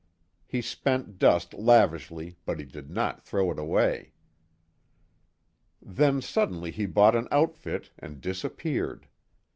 He spent dust lavishly but he did not throw it away. Then suddenly he bought an outfit and disappeared.